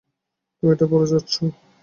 তুমি এটা পরে যাচ্ছ?